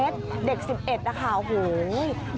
เด็ก๑๑นะค่ะ